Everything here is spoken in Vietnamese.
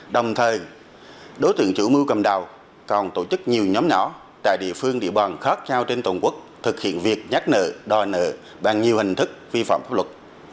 đồng thời đối tượng chủ mưu cầm đào còn tổ chức nhiều nhóm nhỏ tại địa phương địa bàn khác nhau trên toàn quốc thực hiện việc nhắc nợ đòi nợ bằng nhiều hình thức vi phạm pháp luật